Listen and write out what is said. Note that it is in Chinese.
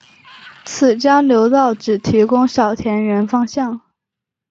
此交流道只提供小田原方向。